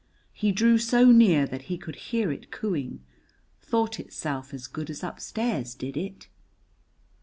He drew so near that he could hear it cooing: thought itself as good as upstairs, did it!